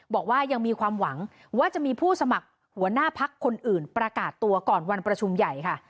บอกว่ายังมีความหวังว่าจะมีผู้สมัครหัวหน้าพักคนอื่นประกาศตัวก่อนวันประชุมใหญ่ค่ะ